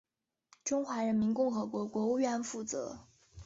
中华人民共和国国务院负责。